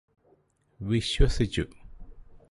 വിശ്വസിച്ചു